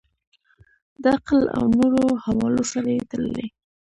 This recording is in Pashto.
د عقل او نورو حوالو سره یې تللي.